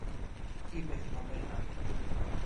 είπε θυμωμένα.